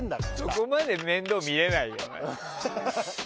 そこまで面倒見れないよ。